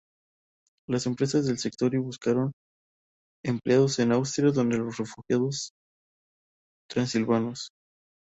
Las empresas del sector y buscaron empleados en Austria entre los refugiados transilvanos.